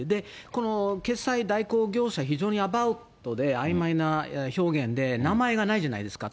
この決済代行業者、非常にアバウトであいまいな表現で、名前がないじゃないですか。